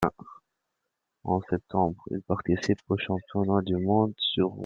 En septembre, il participe aux championnats du monde sur route.